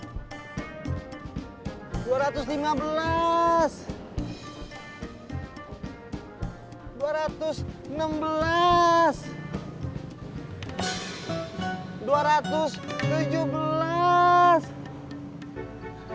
tidak ada yang bisa dihukum